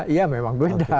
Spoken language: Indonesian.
ya memang beda